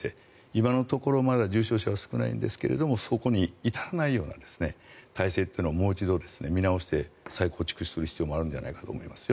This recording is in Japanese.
今のところ重症者は少ないんですがそこに至らないような体制というのをもう一度見直して再構築する必要もあるのではと思います。